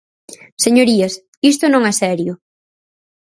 Señorías, isto non é serio.